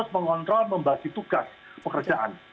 mengontrol membasis tugas pekerjaan